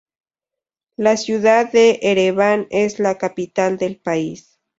La ciudad de Ereván es la capital del país.